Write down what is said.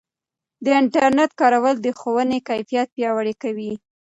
د انټرنیټ کارول د ښوونې کیفیت پیاوړی کوي.